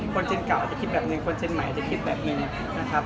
คนจีนเก่าอาจจะคิดแบบหนึ่งคนเชียงใหม่อาจจะคิดแบบหนึ่งนะครับ